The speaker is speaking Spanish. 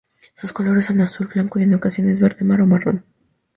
Sus colores son azul, blanco y, en ocasiones, verde mar o marrón.